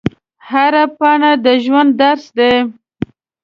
هره پاڼه د ژوند درس دی